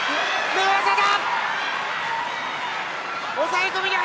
寝技だ！